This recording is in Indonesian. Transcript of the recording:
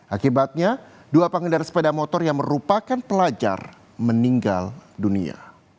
akibatnya dua pengendara sepeda motor yang merupakan pelajar meninggal dunia